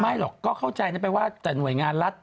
หรอกก็เข้าใจนะไปว่าแต่หน่วยงานรัฐ